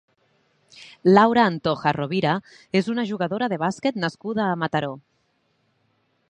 Laura Antoja Rovira és una jugadora de bàsquet nascuda a Mataró.